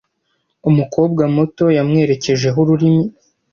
Umukobwa muto yamwerekejeho ururimi.